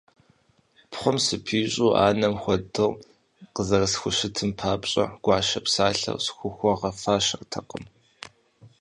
Пхъум сыпищӀу анэм хуэдэу къызэрисхущытым папщӀэ гуащэ псалъэр схухуэгъэфащэртэкъым.